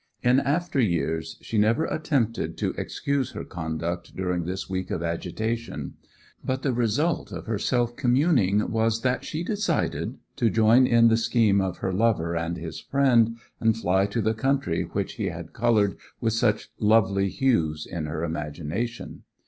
In after years she never attempted to excuse her conduct during this week of agitation; but the result of her self communing was that she decided to join in the scheme of her lover and his friend, and fly to the country which he had coloured with such lovely hues in her imagination.